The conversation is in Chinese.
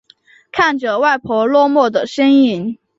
看着外婆落寞的身影